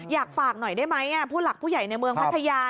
อยากฝากหน่อยได้ไหมผู้หลักผู้ใหญ่ในเมืองพัทยา